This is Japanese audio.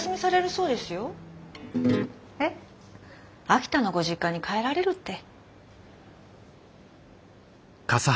秋田のご実家に帰られるって。